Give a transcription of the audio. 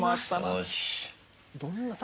よし。